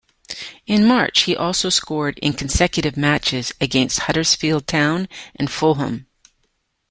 In March, he also scored in consecutive matches against Huddersfield Town and Fulham.